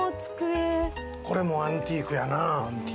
これもアンティークやな。